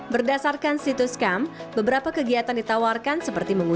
berdasarkan situs camp beberapa kegiatan ditawarkan seperti menjelaskan